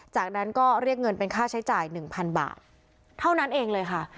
จากนั้นก็เรียกเงินเป็นค่าใช้จ่ายหนึ่งพันบาทเท่านั้นเองเลยค่ะ